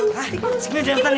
hah si kimu udah datang ya